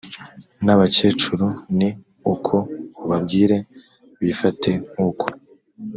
n abakecuru ni uko ubabwire bifate nk uko